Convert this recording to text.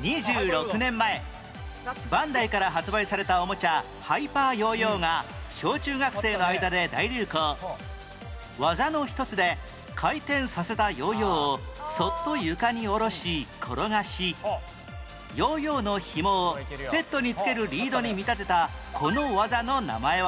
２６年前バンダイから発売されたおもちゃ技の一つで回転させたヨーヨーをそっと床に下ろし転がしヨーヨーのひもをペットにつけるリードに見立てたこの技の名前は？